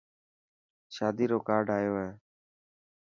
شادي رو ڪارڊآيو هي.